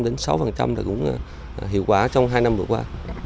thì trung tâm cũng hiệu quả trong hai năm vừa qua